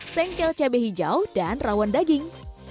sengkel cabai hijau dan rawon daging